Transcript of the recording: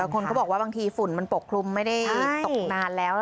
คนเขาบอกว่าบางทีฝุ่นมันปกคลุมไม่ได้ตกนานแล้ว